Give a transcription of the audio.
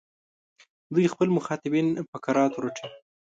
دوی خپل مخاطبان په کراتو رټي.